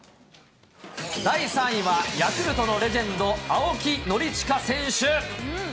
第３位はヤクルトのレジェンド、青木宣親選手。